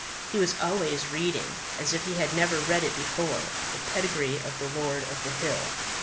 He was always reading, as if he had never read it before, the pedigree of the Lord of the Hill.